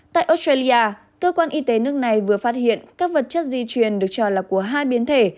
tại australia cơ quan y tế nước này vừa phát hiện các vật chất di truyền được cho là của hai biến thể